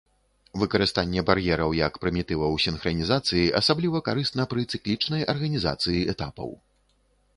Выкарыстанне бар'ераў як прымітываў сінхранізацыі асабліва карысна пры цыклічнай арганізацыі этапаў.